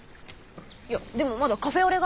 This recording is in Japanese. いやでもまだカフェオレが。